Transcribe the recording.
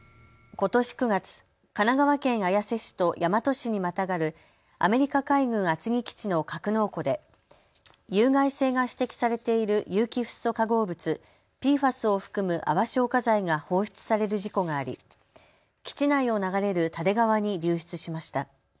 ことし９月、神奈川県綾瀬市と大和市にまたがるアメリカ海軍厚木基地の格納庫で有害性が指摘されている有機フッ素化合物、ＰＦＡＳを含む泡消火剤が放出される事故があり基地内を流れる蓼川に流出しました。